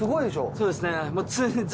そうですね。